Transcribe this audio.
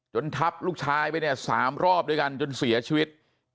ทับลูกชายไปเนี่ย๓รอบด้วยกันจนเสียชีวิต